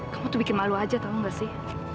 kamu tuh bikin malu aja tau gak sih